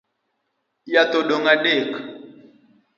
Yath odong’ adek